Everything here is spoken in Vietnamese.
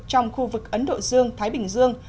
trong khu vực ấn độ dương thái bình dương